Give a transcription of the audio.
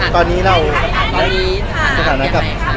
ตอนนี้เราสถานกับอย่างไหนคะ